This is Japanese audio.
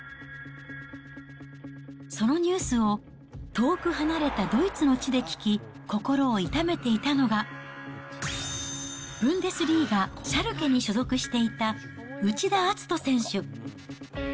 そのニュースを遠く離れたドイツの地で聞き、心を痛めていたのが、ブンデスリーガ・シャルケに所属していた内田篤人選手。